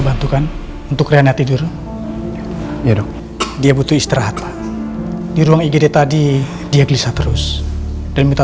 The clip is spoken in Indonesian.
bantukan untuk reina tidur dia butuh istirahat di ruang igd tadi dia gelisah terus dan minta